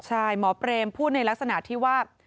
ใช่หมอเปรมพูดในลักษณะที่ว่า